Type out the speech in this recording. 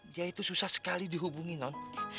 dia itu susah sekali dihubungi non